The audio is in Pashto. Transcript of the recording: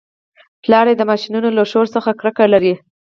پلار یې د ماشینونو له شور څخه کرکه لرله